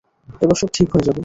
এবার সব ঠিক হয়ে যাবে।